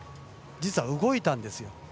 実は動いたんですよ。